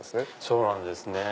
そうなんですね。